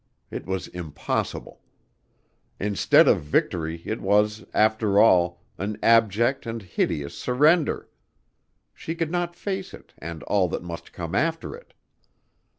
It was impossible. Instead of victory it was, after all, an abject and hideous surrender. She could not face it and all that must come after it.